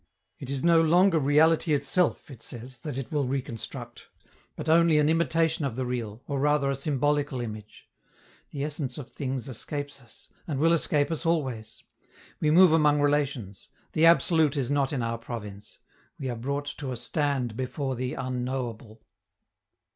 "It is no longer reality itself," it says, "that it will reconstruct, but only an imitation of the real, or rather a symbolical image; the essence of things escapes us, and will escape us always; we move among relations; the absolute is not in our province; we are brought to a stand before the Unknowable."